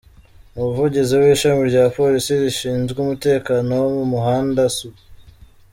Umuvugizi w’ishami rya Polisi rishinzwe umutekano wo mu muhanda, Supt.